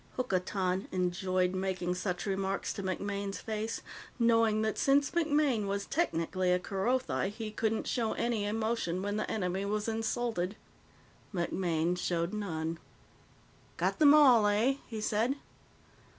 Hokotan enjoyed making such remarks to MacMaine's face, knowing that since MacMaine was technically a Kerothi he couldn't show any emotion when the enemy was insulted. MacMaine showed none. "Got them all, eh?" he said.